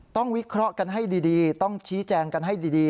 วิเคราะห์กันให้ดีต้องชี้แจงกันให้ดี